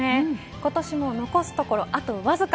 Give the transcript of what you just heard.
今年も残すところ、あとわずか。